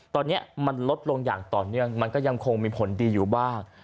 ตอนนี้มันลดลงอย่างต่อเนื่องมันก็ยังคงมีผลดีอยู่บ้าง